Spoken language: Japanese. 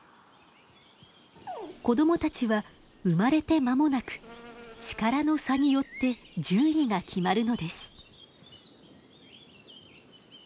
子供たちは生まれて間もなく力の差によって順位が決まるのです。